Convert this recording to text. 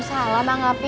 alhamdulillah dagang lagi